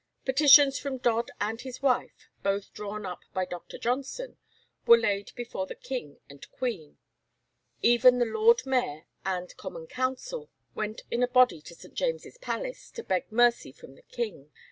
Petitions from Dodd and his wife, both drawn up by Dr. Johnson, were laid before the King and Queen. Even the Lord Mayor and Common Council went in a body to St. James's Palace to beg mercy from the King.